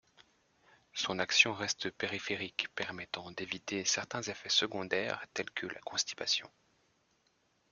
Son action reste périphérique permettant d'éviter certains effets secondaires telles que la constipation.